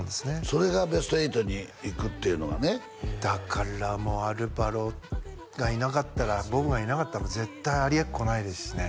それがベスト８に行くっていうのがねだからもうアルバロがいなかったらボブがいなかったら絶対あり得っこないですしね